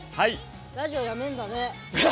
ラジオやめんだね。